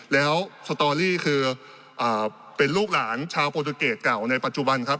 แล้วสตอรี่คือเป็นลูกหลานชาวโปรตูเกตเก่าในปัจจุบันครับ